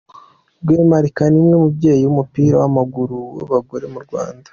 Rwemarika niwe mubyeyi w'umupira w'amaguru w'abagore mu Rwanda.